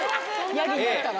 ヤギに会ったら？